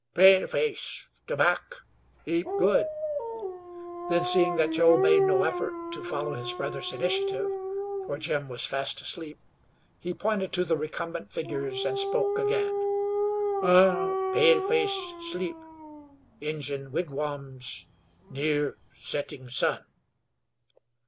"Paleface tobac' heap good." Then, seeing that Joe made no effort to follow his brother's initiative, for Jim was fast asleep, he pointed to the recumbent figures and spoke again. "Ugh! Paleface sleep Injun wigwams near setting sun."